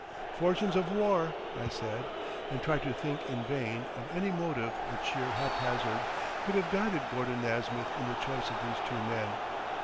"Fortunes of war," I said, and tried to think in vain if any motive but sheer haphazard could have guided Gordon Nasmyth in the choice of these two men.